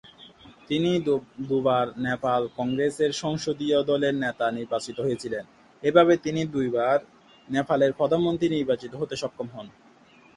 তিনি দুবার নেপাল কংগ্রেসের সংসদীয় দলের নেতা নির্বাচিত হয়েছিলেন, এভাবে তিনি দুবার নেপালের প্রধানমন্ত্রী নির্বাচিত হতে সক্ষম হন।